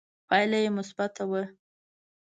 پایله یې مثبته وه